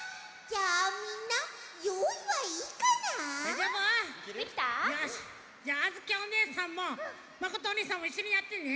じゃああづきおねえさんもまことおにいさんもいっしょにやってね。